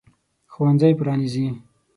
ښوونځی پرانیزي.